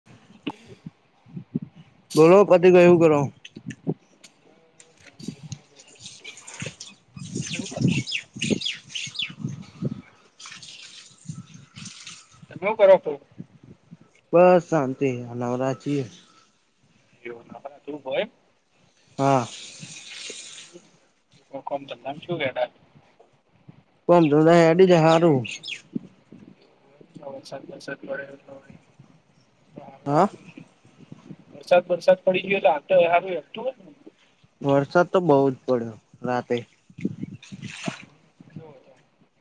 [inaudible] બોલો પતિ ગયો એવું કરો? [inaudible] [inaudible] તમે શું કરો છો. બસ શાંતિ નવરા [unintelligible] હા. [unintelligible] નામ શું કેતા. કોમ ત એડી હારું. [unintelligible] હા. વરસાદ વરસાદ પડી ગયો તો અત્યારે તો હારું એમ તો વરસાદ તો બહું જ પડ્યો રાતે.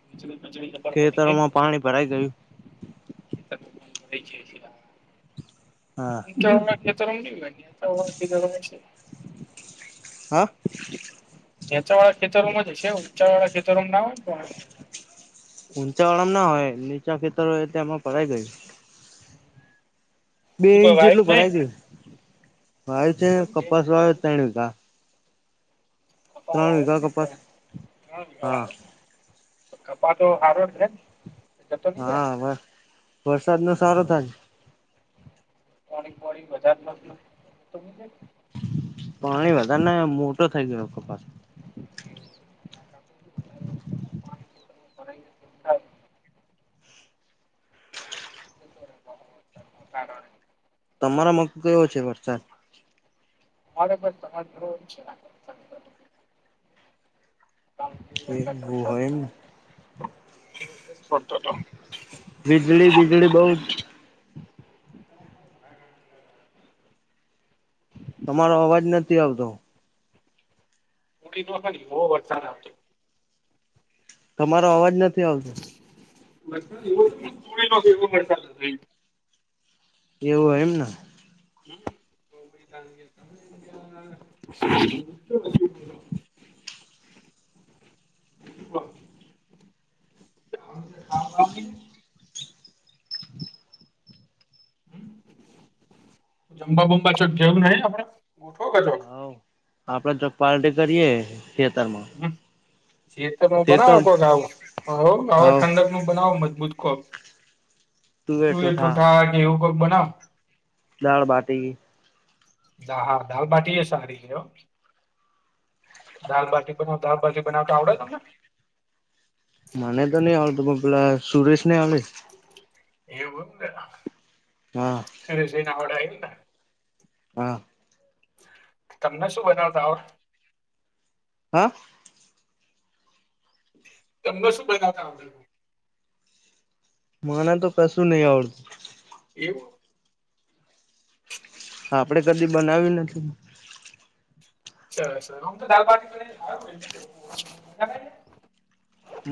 [unintelligible] ખેતરોમાં પાણી ભરાઈ ગયું. [inaudible] હા. [unintelligible] હા. હેચ વાળા ખેતરોમાં જ હશે ઊચવાળા ખેતરોમાં ના હોય ઊંચા વાળામ ના હોય નીચા ખેતર હોય એ એમાં પરાઈ ગયું. બે શું કોઈ ઇંચ વાયક જેટલું નહી ભરાય ગયું ભવે છે ત્રણ કપાસ વાળ તા વીઘા કપાસ હા [unintelligible] કપા તો હારો છે ને જતો નહી રે હા વરસાદ નો સારો થાય. પોણી પોણી [unintelligible] પાણી વધારે ને મોટો થઈ ગયો કપાસ હા કારણ તમારા મગ કેયોો છે વરસાદ ઓર્ડર બ કે બ હોયમ પટટ બીજળી વીજળી બઉુ તમારો અવાજ નથી આવતો ઉડી ન ખ બહ વરસાદ આવતો તમારો અવાજ નથી એ આવ છે મરસા એવોૂ ન કે એવો મરસાાલ એવું એમ ને [inaudible] [inaudible] જંબબુમબા ચોક ઘેવું ન આપણે ઉઠો ક હા આપડે જો પાર્ટી કરીયે થિયેટર માં હ જેત બનાવ પક આવું હવે હવ ઠંડક બનાવો મજબૂત કોક તુવેર તું ઠુઠા એટું થા કે એવું કોક બનાવ દાળ બાટેગ હા હા દાલબટી એ સારી છે દાલબટી ભાજી બવતા આવડે તમને મને તો નહી આવ ત પેલા સુરેશ નહી આવ એવું હા ને સના વડાે આને હા તમને શું બતાવતા હો હે એમને શું બમણા આવે મને તો કશું નહી આવડતું એવું આપડે કદી બનાવી્યું નથી સર સર હમ તો દલબ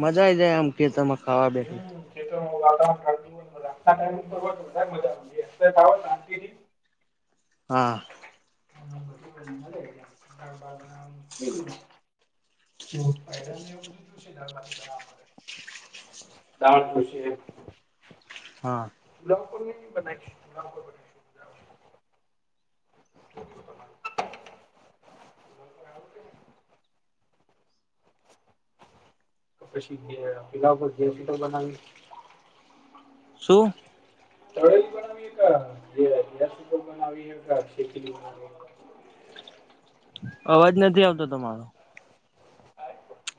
મજા આઈ જાય આમ ખેતરમાં ખાવા બેઠી એ તો વાતાવરણ ટ મ મજા હા [inaudible] જો ઉત્પાદનને એવ બધું જોથી બનાવડે તમન ખુશી હા લોકો ને બનાવી [inaudible] તો પછી પેલા ઉપર ગે પી તો બનાવી શું તળેલી બનાવી ગ બનાવીએ અવાજ નથી આવતો તમારો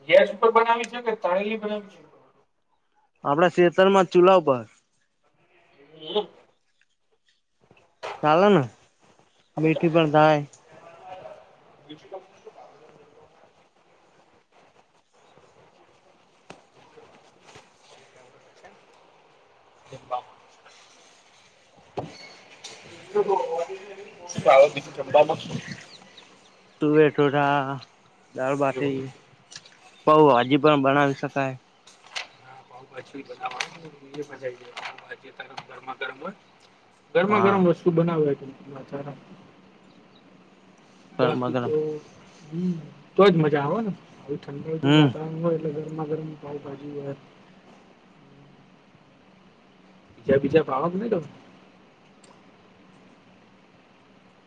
ગેસ ઉપર બનાવી છે કે તાણેલી બનાવી છે આપડા ખેતરમાં ચૂલ્લા ઉપર હમ ચાલ ના હવે મઠી ચાલે પણ ચાલે થાય [inaudible] [inaudible] [unintelligible] [unintelligible] તુવે ટોળા, દાળબાટી, એવું પૌઉ હજી પણ બનાવી શકાય. [unintelligible] ગરમા ગરમ હોય ગરમા હા ગરમ વસ્તુ બનાવે [unintelligible] ગરમા બાકી ગરમ તો હ તો જ મજા આવે ને હ ઠંડું હમ વાતાવરણ હોય એટલે ગરમા ગરમ પાઉભાજી ત્યા બીજા પાઆ વાક ન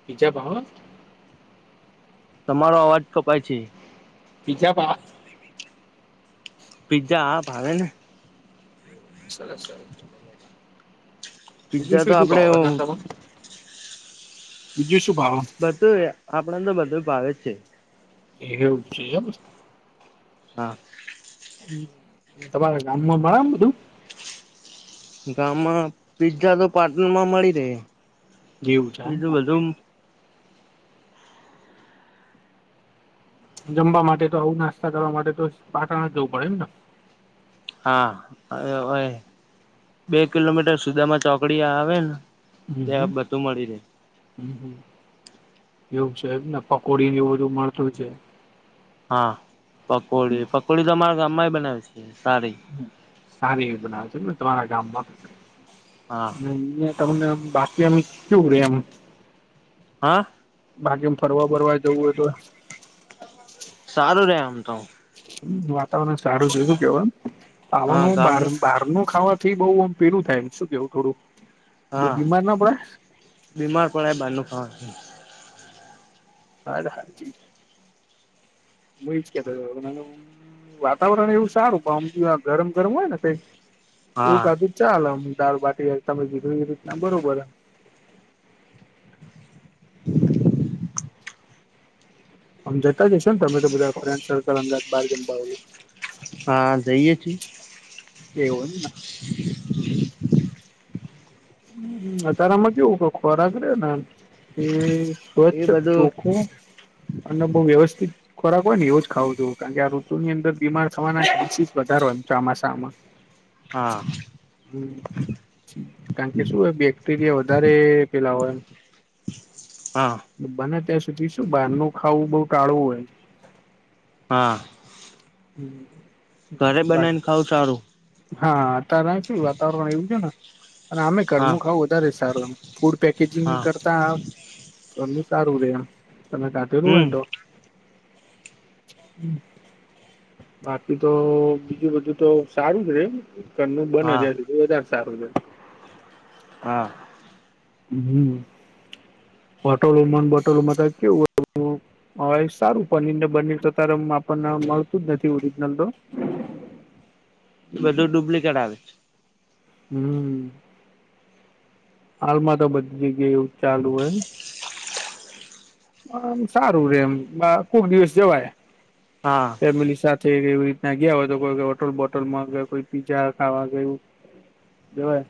પીજ્જા ભાવ તમારો અવાજ કપાય છે. પીજા પા પીત્ઝા હા ભાવે ને. સરસ સરસ બીજુ પીઝા તો શું શું આપડે ભાવા તન તમ બીજું શું ભાવ? બધું આપણે તો બધું ભાવે જ છે. એવ છે એમ. હા. તમારા ગામમાં મળે એમ બધું? ગામમાં પીઝા તો પાટણ માં મળી રહે. જેવું છે. બીજું બધું જમવા માટે તો આવું નાસ્તા કરવા માટે તો પાટણ જવું પડે એમને? હા [unintelligible] બે કિલોમીટર સુદામાં ચોકડી આવે ને હમ ત્યાં હમ. બધું મળી રહે હમ એવું છેને પકોડી ને એવું બધું મળતું છે. હા પકોડી પકોડી તો અમારા ગામમાં બનાવે છે સારી સારી એવી બનાવે છે, ને તમારા ગામમાં હા તમને બાકી એમ કેવું રે એમ હા. બાકી આમ ફરવા બરવા જવું હોય તો સારું રે આમ તો વાતાવરણ સારું છે, શું કેવા હા આવવાનું બાર ગામનું બાર ઘરનું ખાવાથી બઉ આમ પેરું થાય એમ શું કેવું થોડું બહુ હા બીમાર ના પડે બીમાર પડે બારનું ખાવાથી હ. હું એ જ કેતો વાતાવરણ એવું સારું પણમ ગરમ ગરમ હોય ને કય એવું હા કાધું ચાલ આમ દાળ બાટી તમે ગીધું એવી રીતના બરોબર એ [unintelligible] આમ જતા જઈશો ને તમે તો બધા ફ્રેન્ સર્કલ અમાદાવાદ બહાર ગામ વાલું હા જઈએ છે. એવું એમ. અતારામાં કેવું કે ખોરાક રે ને. એ સ્વચ્છ એ બધું ચોખું અને બહુ વ્યવસ્થિત ખોરાક હોય ને એવું જ ખાવું જોવ કારણ કે આ ઋતુની અંદર બીમાર થવાના ચાન્સીસ વધારે હોય ચોમાસામાં. હા હમ [inaudible] કારણ કે શું હોય બેક્ટેરિયા વધારે પેલા હોય એમ હા. બને ત્યાં સુધી શું બહાર નું ખાવું બહુ ટાળવું હોય. હા. હમ. ઘરે બનાવીને ખાવુ સારું. હા અત્યારે શું વાતાવરણ આવું છે ને. અને અમે હા ઘરનું ખાવું વધારે સારું ફૂડ પેકેજીગ હા કરતા તો સારું રે એમ તમે ખાધેલું હમ હોયને તો. બાકી તો બીજું બધું તો સારું છે રે? ઘરનું બને હા ત્યા સુધી વધારે સારું છે. હા. હમ બોટલો મા ને બોટોલોમાં ક કેવું હો હ સારું પનીર ને બનીર તો ત્યારે આપણને મળતું જ નથી ઓરિજનલ તો. [inaudible] એ બધું ડુપ્લિકેટ આવે છે. હમ. હાલમાં તો બધી જગ્યાએ એવું ચાલુ હોય ને. આમ સારું રે એમ કોક દિવસ જવાય. હા ફેમિલી સાથે એવી રીતના ગયા હોય તો કોઈ હોટોલ બોટલમાં કોઈ પી્ઝા ખાવા ગયુ. બેય.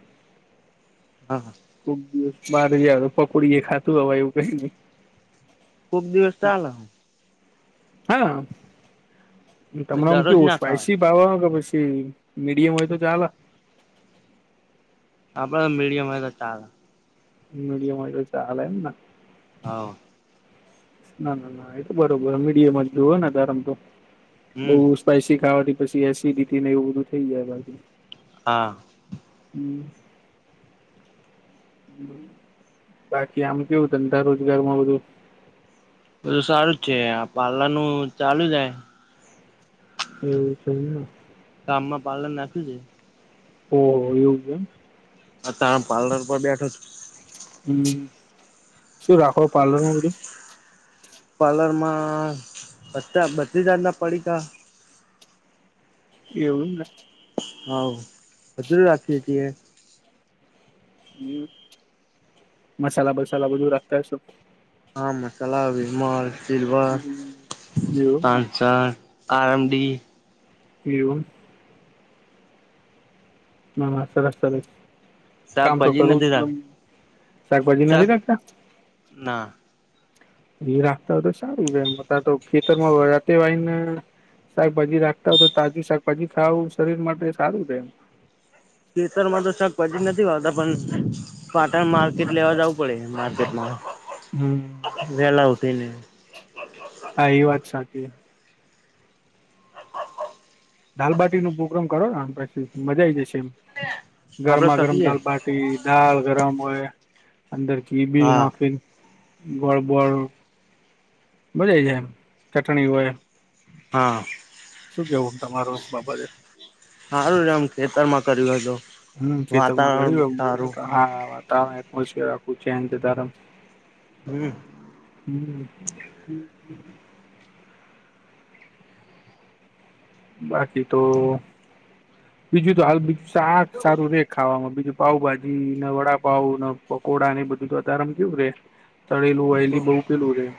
હા હા. કો દિવસ બાર જ પકોડી એ ખાતું હવે એવું કઈ નહી. કોક દિવસ ચાલે. હા તમારા મા દરરોજ કેવું ના ખાવાય સ્પાઈસી કે પછી મીડિયમ હોય તો ચાલે? આપડે મીડિયમ હોય તો ચાલે. મીડિયમ હોય તો ચાલે એમ ને! હા. ના ના ના એતો બરોબર મીડિયમ જ જો હો ને ધારમ તો બ હમ સ્પાઈસી ખાવાથી પછી એસિડિટી ને એવું બધું થઈ જાય બાકી. હા. હમ. બાકી આમ કેવું ધંધા રોજગાર માં બધું? બધું સારું જ છે આ પાર્લરનું ચાલુ જાય. એવું છે એમ ને. ગામમાં પાાર્રલ નાખ્યું છે. ઓહ એવું છે એમ. અ તાર પાર્લર પર બેઠો છુ. હમ શુ રાખો પાર્લરમા બધુ? પાર્લર માં બ બત્રીસ જાતના પડીકા. એવું જ ને. હા હજુર રાખીએ છીએ. હમ મસાલા બસાલા બધું રાખતા હ શો? હા મસાલા, વિમલ, સિલવર, એવું એમ ને? પાંચ આર એમડી. એવું! ના સરસ સરસ કામ તો શાકભાજી કરવું નથી જ રાખ પડે શાકભાજી શાક નથી રાખતા? ના એ રાખતા હોય તો સારું છે. એ તો ખેતરમાંતેવાયને શાકભાજી રાખતા હોય. તો તાજું શાકભાજી ખાવુ શરીર માટે સારું રહે એમ. કેેતર માં તો શાક પછી નથી વાતા પણ પાટણ માર્કેટ લેવા જવું પડે મા [inaudible] હમ. વેલા ઉઠીને. હા એ વાત સાચી. દાલબાટી નો પ્રોગ્રામ કરો પછી મજા આવી જશે. એમ આપડે ગરમા ગરમ કરીએ દાલબાટી દાળ ગરમ હોય અંદર ચીબી હા નાખી. ગોળબોળ બજાઈ જાય. એમ ચટણી હોય. હા શું કેવું તમારો બાબતે? સારું એમ ખેતરમાં કર્યું હતું હમ કે તમાં વાતાવરણ ગરી બી સારું હા વાત ત રાખું છે તાર [unintelligible] હમ. હમ હમ બાકી તો બીજું તો હાલ બીજું શાક સારું રે ખાવામાં બીજું. પાઉભાજી ના વડાપાવ ના પકોડા ને એ બધું તોત આમ કેવું રે. તળેલું વહેલી બહુ પેલું રેય.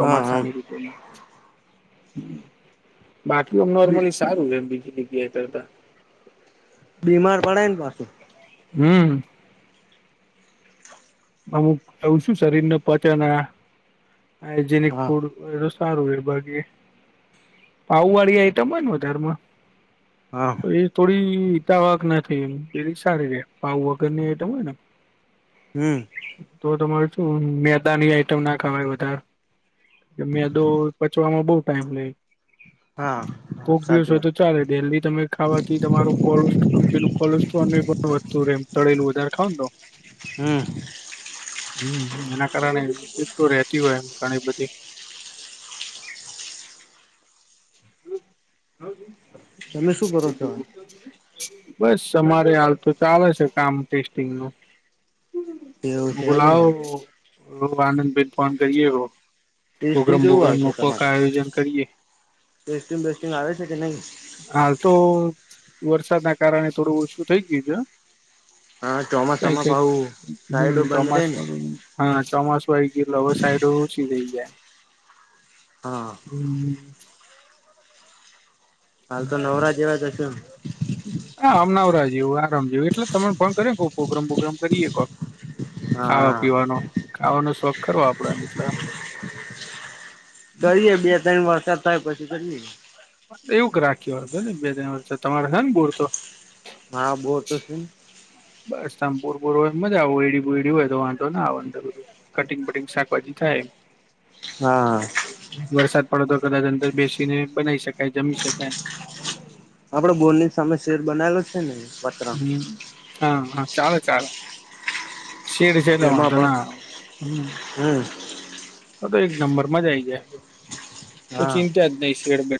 હા હા ઋતુમાં. મ નોર્મલી સારું છેમ બીજળ જગ્યા કરતા. બીમાર પડે ને પાછું. હમ્મ. અમુક ઓછું શરીરને પચના હાઈજનિક હા ફૂડ એ તો સારું એ બાકી પાઉ વાળી આઈટમ હોય વધારમાં હા. એ થોડી હીતાવક ના થઈ એમ પેલી સારી રે પાવ વગરની આઇટમ હોય ને. હમ. તો તમાર શું મેદાની આઈટમ ના ખાવાય વધાર મેદો પચવામાં બહુ ટાઈમ લે હા કોક દિવસ સાચી હોય વાત તો ચાલે ડેલી તમે ખાવાથી તમારું કોસ્ટ પેલું કોલેસ્ટ્રોલ ન પણ વધતું રહે એમ તળેલું વધારે ખાવ ને તો. હમ્મ. હમ એના કારણે તો રેતી હોય. એમ ઘણી બધી [inaudible] તમે શું કરો છો [unintelligible] બસ અમારે હાલ તો ચાલે છે કામ ટેસ્ટિંગ નું. એવું છે એમને બુલાવ આનંદબેન ફોન કરીએ. ટેસ્ટિંગ પ્રોગ્રમ - કેવું આવે બોગ્રમ ન છે કો ક તમારે આયોજન કરીએ. ટેસ્ટિંગ બેસ્ટિંગ આવે છે કે નહી હા તો વરસાદ ના કારણે થોડું ઓછું થઇ ગયું છે. હા કઈ ચોમાસામાં કઈક ભાવુ હમ સાઈડ બંધ રે ને. ચોમાસું હા ચોમાસું આય ગયું લવર સાઈડ ઓછી થઈ જાય. હા. હમ હાલ તો નવરા જેવા જશું. હા અમનાવરા જેવું આરામ જેવું એટલે તને પણ કરેને કો પ્રોગ્રામ બોગ્રામ કરીએ કોક. ખાવા હા પીવાનો ખાવાનો શોખ ખરો આપડાને એટલા કરીએ બે ત્રણ વરસાદ થાય પછી કરીએ. એવું રાખ્યું હો ને બે ત વર્ષે તમારે છે ને બોર તો હા બો તો છે. બસથમ પુર પુર હોય મજા આવે. ઓયડી બુડી હોય તો વાંંધો ને આવે અંદર બધું. કટિંગ બટિંગ શાકભાજી થાય. હા! વરસાદ પડે તો, કદાચ અંદર બેસીને બનાવી શકાય, જમી શકાય. આપડે બોડ ની સામે શેર બનાવેલો છે ને? પતરા હમ હા હા! ચાલે ચાલે. શેરી છેલે તેમાં વાંધો પણ ના આવે. હમ હ તો એક નંબર માજા આઈ જાય કો હા ચિંતા જ નહી શેડ બે